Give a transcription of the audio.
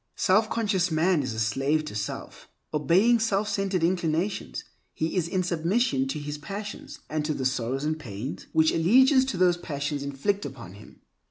Self conscious man is a slave to self. Obeying self centered inclinations, he is in submission to his passions, and to the sorrows and pains which allegiance to those passions inflict upon him.